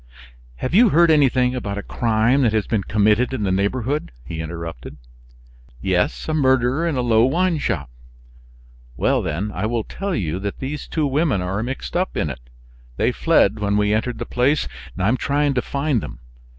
"Have you heard anything about a crime that has been committed in the neighborhood?" he interrupted. "Yes; a murder in a low wine shop." "Well, then, I will tell you that these two women are mixed up in it; they fled when we entered the place. I am trying to find them.